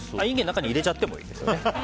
中に入れちゃってもいいですね。